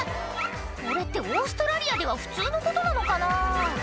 これってオーストラリアでは普通のことなのかな？